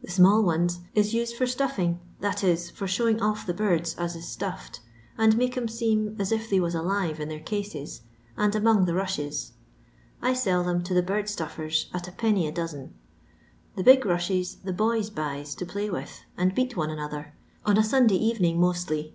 The small ones is used for ' stuffing,' that is, fur showing off the birds as is stufied, and make 'em seem as if they was alive in their cases, and among the rushes; I sell them to the bird stuffers at Id. a dosen. The big rushes the boys buys to play with and beat one another — on a Sunday evening mostly.